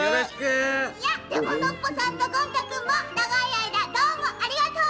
でもノッポさんとゴン太くんもながいあいだどうもありがとう！